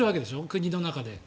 国の中で。